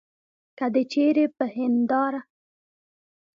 که دي چیري په هنیداره کي سړی وو تېرایستلی.